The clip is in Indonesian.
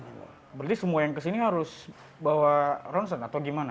berarti semua yang kesini harus bawa ronsen atau gimana